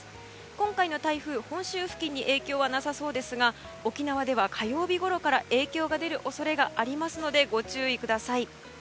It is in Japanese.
今回の台風、本州付近に影響はなさそうですが沖縄では火曜日ごろから影響が出る恐れがありますのでご注意ください。